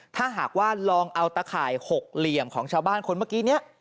ถ้าหากว่าลองเอาตะข่าย๖เหลี่ยมของชาวบ้านคนเมื่อกี้นี้